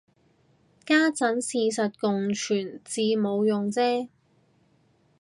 家陣事實共存至冇用啫